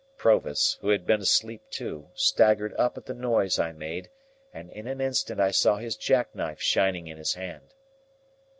Provis, who had been asleep too, staggered up at the noise I made, and in an instant I saw his jackknife shining in his hand.